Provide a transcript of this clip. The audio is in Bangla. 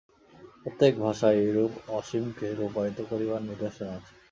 প্রত্যেক ভাষায় এইরূপ অসীমকে রূপায়িত করিবার নিদর্শন আছে।